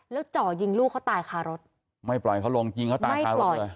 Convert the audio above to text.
แล้วจ่อยิงลูกเขาตายคารถไม่ปล่อยเขาลงยิงเขาตายคารถเลย